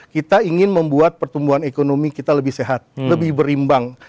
kita ingin membuat pertumbuhan ekonomi kita lebih sehat lebih berimbang